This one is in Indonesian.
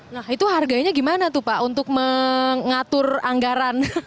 nah itu harganya gimana tuh pak untuk mengatur anggaran